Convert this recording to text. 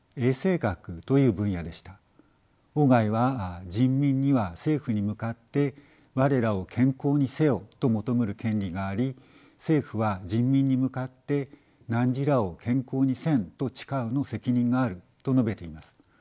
外は人民には政府に向かって我らを健康にせよと求むる権利があり政府は人民に向かって汝らを健康にせんと誓うの責任があると述べています。